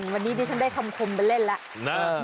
วันนี้ดิฉันได้คำคมไปเล่นแล้ว